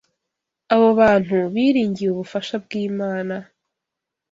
Abo bantu biringiye ubufasha bw’Imana